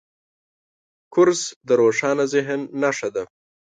کورس د روښانه ذهن نښه ده.